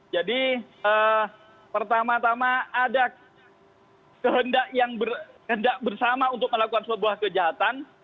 jadi pertama tama ada kehendak yang bersama untuk melakukan sebuah kejahatan